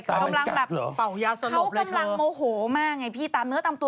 กำลังแบบเขากำลังโมโหมากไงพี่ตามเนื้อตามตัว